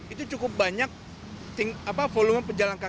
itu cukup banyak volume pejalan kaki